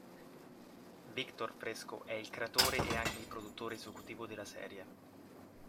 Victor Fresco è il creatore e anche il produttore esecutivo della serie.